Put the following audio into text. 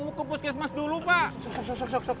mau ke puskesmas dulu pak